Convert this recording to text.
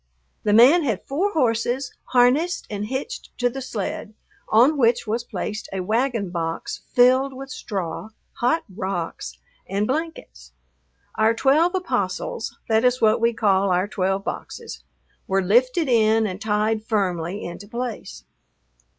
The man had four horses harnessed and hitched to the sled, on which was placed a wagon box filled with straw, hot rocks, and blankets. Our twelve apostles that is what we called our twelve boxes were lifted in and tied firmly into place.